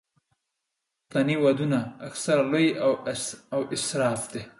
پښتني ودونه اکثره لوی او اسراف دي.